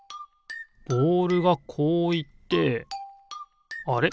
ボールがこういってあれ？